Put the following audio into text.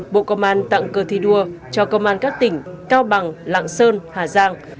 bộ công an tặng cơ thi đua cho công an các tỉnh cao bằng lạng sơn hà giang